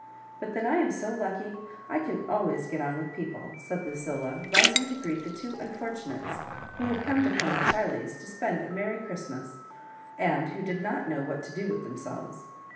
But then I am so lucky, I can aiways get on with people," said Lucilla, rising to greet the two unfortunates who had come to Colonel Chiley's to spend a merry Christmas, and who did not know what to do with themselves.